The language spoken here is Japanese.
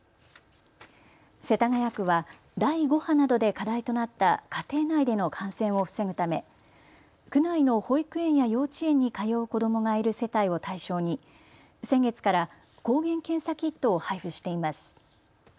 世田谷区は第５波などで課題となった家庭内での感染を防ぐため区内の保育園や幼稚園に通う子どもがいる世帯を対象に先月から抗原検査キットを配布しています。